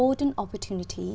làm tốt nhất để